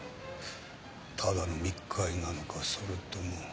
ただの密会なのかそれとも。